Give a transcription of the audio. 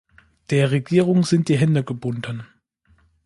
Der Regierung sind die Hände gebunden.